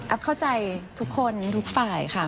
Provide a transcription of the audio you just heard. เข้าใจทุกคนทุกฝ่ายค่ะ